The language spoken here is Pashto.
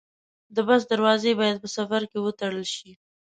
د بس دروازې باید په سفر کې وتړل شي.